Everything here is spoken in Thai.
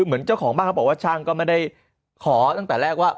เหมือนเจ้าของบ้านเขาบอกว่าช่างก็ไม่ได้ขอตั้งแต่แรกว่า